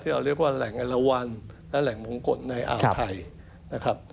เราเรียกว่าแหล่งเอลวันและแหล่งมงกฎในอ่าวไทยนะครับ